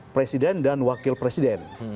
presiden dan wakil presiden